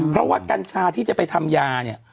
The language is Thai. เพราะว่ากัญชาที่จะไปทำยาเนี่ย